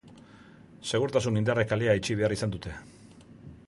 Segurtasun indarrek kalea itxi behar izan dute.